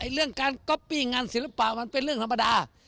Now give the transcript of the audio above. เรื่องการก๊อปปี้งานศิลปะมันเป็นเรื่องธรรมดา